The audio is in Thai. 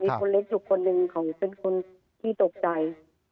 คนเล็กอยู่คนหนึ่งเขาเป็นคนขี้ตกใจ